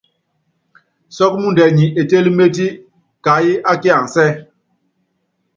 Sɔ́k muundɛ nyi etélíméte káyií ákiansɛ?